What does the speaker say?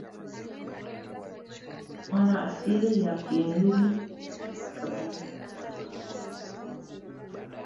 wana asili ya Kinubi na makabila ya Ethiopia